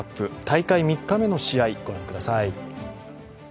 大会３日目の試合、ご覧ください。